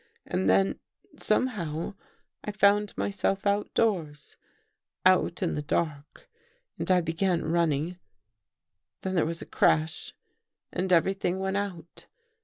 And then, somehow, I found myself outdoors — out in the dark and I began run ning. Then there was a crash and everything went out.